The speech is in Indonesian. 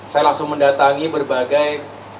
saya langsung mendatangi berbagai